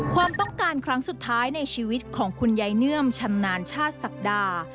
ความต้องการครั้งสุดท้ายในชีวิตของคุณยายเนื่อมชำนาญชาติศักดา